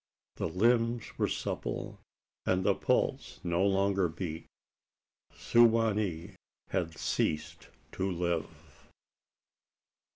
The limbs were supple, and the pulse no longer beat. Su wa nee had ceased to live!